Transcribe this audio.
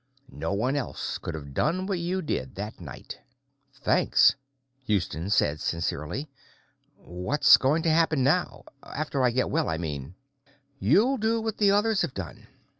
No one else could have done what you did that night." "Thanks," Houston said sincerely. "What's going to happen now? After I get well, I mean." "You'll do what the others have done.